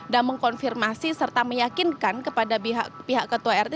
mengkonfirmasi serta meyakinkan kepada pihak ketua rt